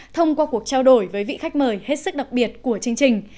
thông qua cuộc trao đổi với vị khách mời hết sức đặc biệt của chương trình